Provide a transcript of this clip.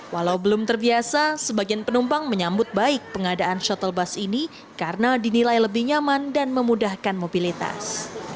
walau belum terbiasa sebagian penumpang menyambut baik pengadaan shuttle bus ini karena dinilai lebih nyaman dan memudahkan mobilitas